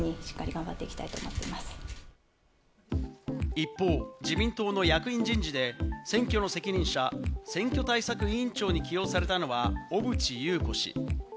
一方、自民党の役員人事で選挙の責任者、選挙対策委員長に起用されたのは、小渕優子氏。